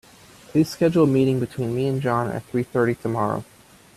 Please schedule a meeting between me and John at three thirty tomorrow.